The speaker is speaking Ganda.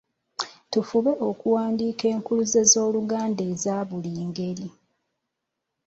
Tufube okuwandiika enkuluze z’Oluganda eza buli ngeri